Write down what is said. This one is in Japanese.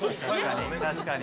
確かに。